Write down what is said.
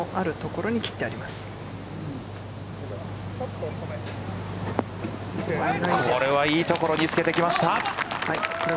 これはいい所につけてきました。